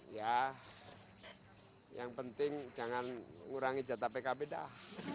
ya yang penting jangan kurangi jatah pkb dah